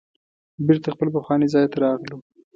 بیرته خپل پخواني ځای ته راغلو.